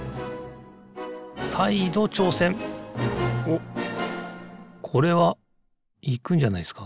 おっこれはいくんじゃないですか